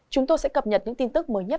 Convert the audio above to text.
chúng tôi sẽ cập nhật những tin tức mới nhất